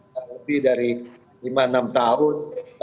jadi dari lima enam tahun